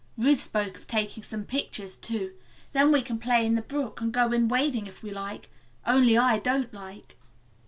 Ruth spoke of taking some pictures, too. Then we can play in the brook, and go in wading if we like, only I don't like."